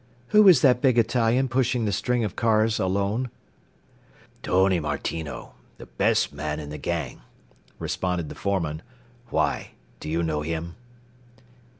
"Who is that big Italian pushing the string of cars alone?" "Tony Martino. The best man in the gang," responded the foreman. "Why? Do you know him?"